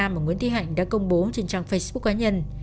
mà nguyễn thi hạnh đã công bố trên trang facebook cá nhân